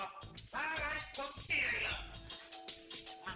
kakak ini mau keren ya